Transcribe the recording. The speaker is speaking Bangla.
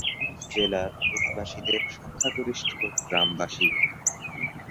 কিশানগঞ্জ জেলার অধিবাসীদের সংখ্যাগরিষ্ঠ গ্রামবাসী।